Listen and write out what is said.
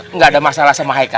enggak ada masalah sama haikal